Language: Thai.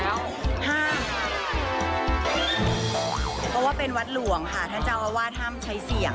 เพราะว่าเป็นวัดหลวงค่ะท่านเจ้าอาวาสห้ามใช้เสียง